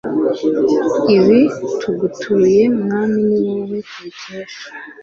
ibi tugutuye mwami ni wowe tubikesha